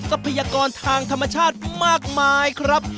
ทรัพยากรทางธรรมชาติมากมายครับ